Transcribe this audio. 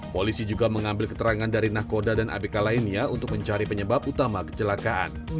polisi juga mengambil keterangan dari nahkoda dan abk lainnya untuk mencari penyebab utama kecelakaan